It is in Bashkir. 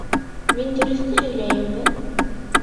Мин дөрөҫтө һөйләйемме?